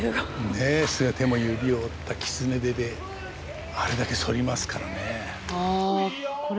ねえそれで手も指を折った狐手であれだけ反りますからね。